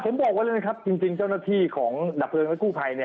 ผมบอกไว้เลยนะครับจริงเจ้าหน้าที่ของดับเพลิงและกู้ภัย